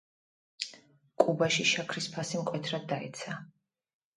კუბაში შაქრის ფასი მკვეთრად დაეცა.